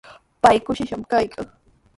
Pay kushishqami kaykan.